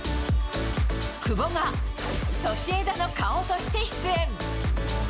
久保がソシエダの顔として出演。